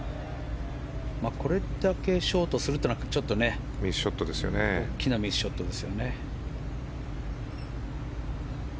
これだけショートするというのは大きなミスショットですよね。